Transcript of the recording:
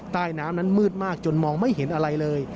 ใต้น้ำนั้นมืดมากจนมองไม่เห็นอะไรเลย